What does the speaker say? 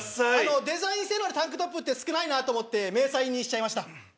デザイン性のあるタンクトップって少ないなと思って迷彩にしちゃいました。